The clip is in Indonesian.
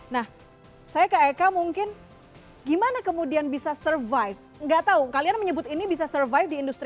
nah saya ke eka mungkin gimana kemudian bisa survive nggak tahu kalian menyebut ini bisa survive di industri